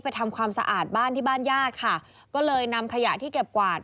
ทำความสะอาดบ้านที่บ้านญาติค่ะก็เลยนำขยะที่เก็บกวาด